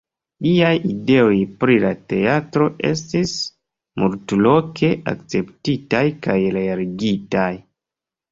Liaj ideoj pri la teatro estis multloke akceptitaj kaj realigitaj.